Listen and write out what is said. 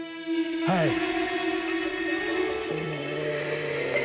はい。